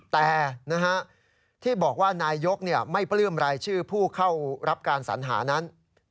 แต่ที่บอกว่านายกไม่ปลื้มรายชื่อผู้เข้ารับการสัญหานั้น